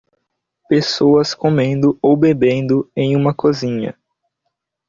Pessoas comendo ou bebendo em uma cozinha.